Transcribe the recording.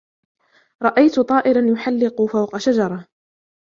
رأيتُ طائراً يُحلّقُ فوقَ شجرةٍ.